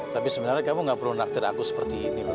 tapi sebenarnya kamu gak perlu naftir aku seperti ini loh